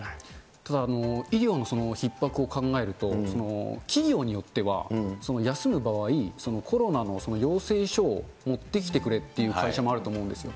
ただ、医療のひっ迫を考えると、企業によっては、休む場合、コロナの陽性書を持ってきてくれっていう会社もあると思うんですよ。